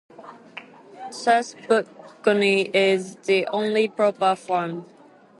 Thus "bocconei" is the only proper form.